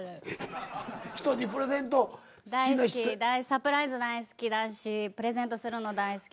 サプライズ大好きだしプレゼントするの大好きだし。